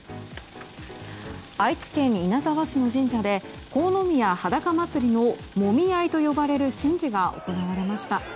愛知県稲沢市の神社で国府宮はだか祭りのもみ合いと呼ばれる神事が行われました。